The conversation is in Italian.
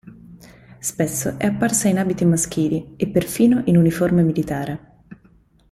Spesso è apparsa in abiti maschili e perfino in uniforme militare.